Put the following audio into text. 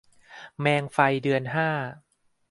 แมงไฟเดือนห้า